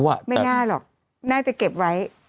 ไม่น่าหรอกน่าจะเก็บไว้